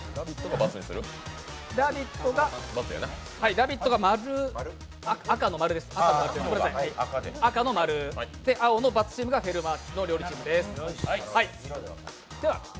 「ラヴィット！」が赤のマル青のバツチームが「フェルマーの料理」チームです。